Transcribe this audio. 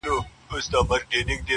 یوه شپه مېرمن پر کټ باندي پرته وه -